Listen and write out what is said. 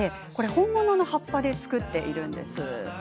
本物の葉っぱで作っているんです。